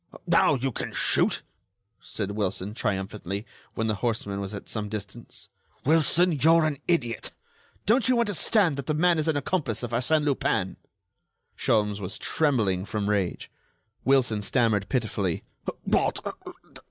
"Now, you can shoot," said Wilson, triumphantly, when the horseman was at some distance. "Wilson, you're an idiot! Don't you understand that the man is an accomplice of Arsène Lupin?" Sholmes was trembling from rage. Wilson stammered pitifully: "What!...